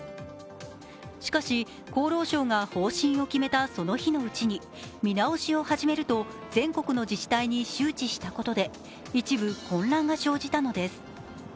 しかし、厚労省が方針を決めたその日のうちに見直しを始めると全国の自治体に周知したことで一部、混乱が生じたのです。